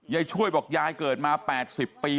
ยายช่วยบอกยายเกิดมา๘๐ปี